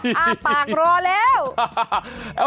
อ้าปากรอแล้ว